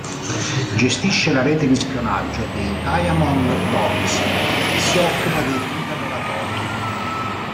Gestisce la rete di spionaggio dei Diamond Dogs e si occupa degli interrogatori.